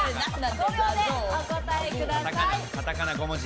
５秒でお答えください。